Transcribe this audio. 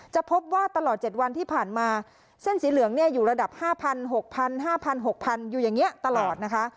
จะพบว่าตลอดเจ็ดวันที่ผ่านมาเส้นสีเหลืองเนี่ยอยู่ระดับห้าพันหกพันห้าพันหกพันอยู่อย่างเงี้ยตลอดนะคะ